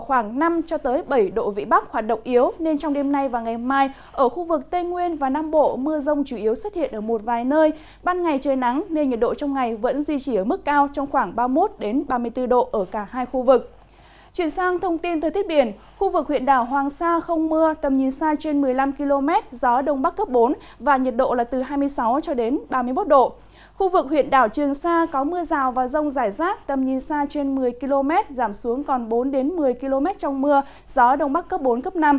khu vực huyện đảo trường sa có mưa rào và rông rải rác tầm nhìn xa trên một mươi km giảm xuống còn bốn một mươi km trong mưa gió đông bắc cấp bốn năm